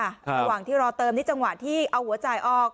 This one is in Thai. ระหว่างที่รอเติมนี่จังหวะที่เอาหัวจ่ายออก